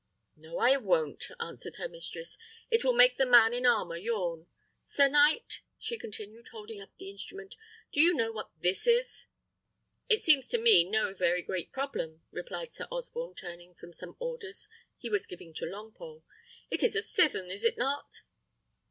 "No, I won't," answered her mistress; "it will make the man in armour yawn. Sir knight," she continued, holding up the instrument, "do you know what that is?" "It seems to me no very great problem," replied Sir Osborne, turning from some orders he was giving to Longpole; "it is a cithern, is it not?"